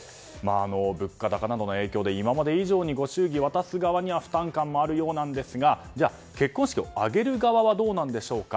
物価高などの影響で今まで以上にご祝儀を渡す側には負担感もあるようですがじゃあ、結婚式を挙げる側はどうなんでしょうか。